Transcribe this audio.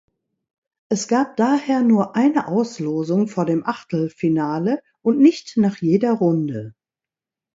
Es gab daher nur eine Auslosung vor dem Achtelfinale und nicht nach jeder Runde.